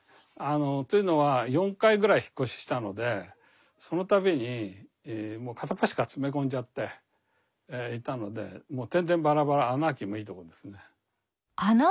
というのは４回ぐらい引っ越ししたのでその度にもう片っ端から詰め込んじゃっていたのでもうてんでんばらばらアナーキーもいいところですね。